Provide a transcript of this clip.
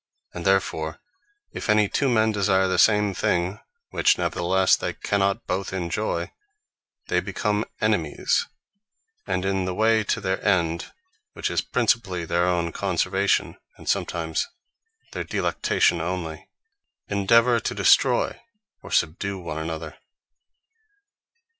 And therefore if any two men desire the same thing, which neverthelesse they cannot both enjoy, they become enemies; and in the way to their End, (which is principally their owne conservation, and sometimes their delectation only,) endeavour to destroy, or subdue one an other.